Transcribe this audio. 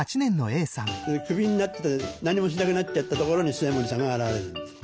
クビになって何もしなくなっちゃったところに末盛さんが現れるんです。